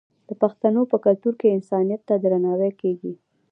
د پښتنو په کلتور کې انسانیت ته درناوی کیږي.